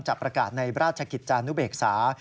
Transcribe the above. ประกาศในราชกิจจานุเบกษา